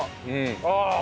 ああ。